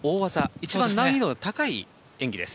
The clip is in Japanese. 一番難易度の高い演技です。